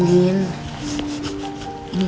ada apa mir